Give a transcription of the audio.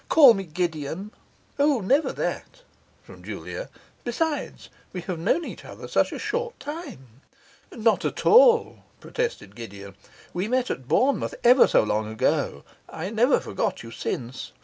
'Call me Gideon!' 'O, never that,' from Julia. 'Besides, we have known each other such a short time.' 'Not at all!' protested Gideon. 'We met at Bournemouth ever so long ago. I never forgot you since.